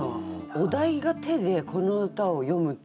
お題が「手」でこの歌をよむ。